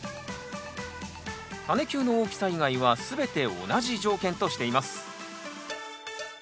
タネ球の大きさ以外は全て同じ条件としています